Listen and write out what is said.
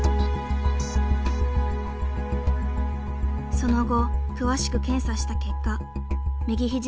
その後詳しく検査した結果右ひじ